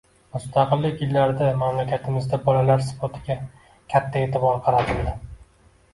Mustaqillik yillarida mamlakatimizda bolalar sportiga katta e’tibor qaratildi